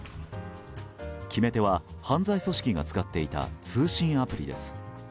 決め手は犯罪組織が使っていた通信アプリです。